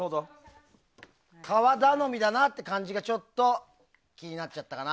皮頼みだなって感じが気になっちゃったかな。